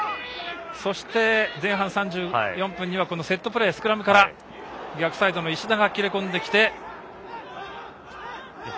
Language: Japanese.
そして、前半３４分にはセットプレー、スクラムから逆サイドの石田が切り込んで。